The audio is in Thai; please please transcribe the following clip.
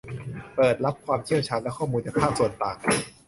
เปิดรับความเชี่ยวชาญและข้อมูลจากภาคส่วนต่าง